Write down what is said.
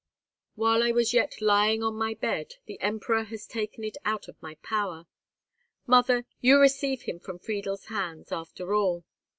While I was yet lying helpless on my bed, the Emperor has taken it out of my power. Mother, you receive him from Friedel's hands, after all."